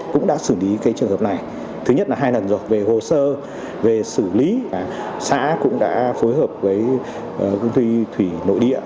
cái trường hợp này thứ nhất là hai lần rồi về hồ sơ về xử lý xã cũng đã phối hợp với công ty thủy nội địa